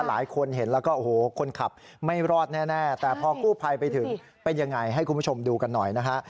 หลายคนเห็นแล้วก็โอ้โหคนขับไม่รอดแน่แต่พอกู้ภัยไปถึงเป็นยังไงให้คุณผู้ชมดูกันหน่อยนะฮะ